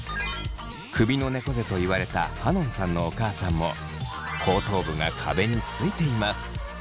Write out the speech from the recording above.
首のねこ背と言われたはのんさんのお母さんも後頭部が壁についています。